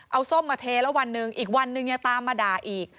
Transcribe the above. เอาส้มมาเทแล้ววันหนึ่งอีกวันนึงยังตามมาด่าอีก